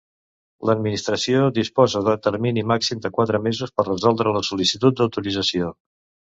L'Administració disposa del termini màxim de quatre mesos per resoldre la sol·licitud d'autorització.